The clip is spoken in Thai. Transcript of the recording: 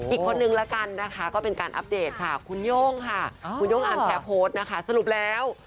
อีกคนนึงละกันนะคะก็เป็นการอัปเดตค่ะคุณโย่งค่ะคุณโย่งอาร์มแชร์โพสต์นะคะสรุปแล้ว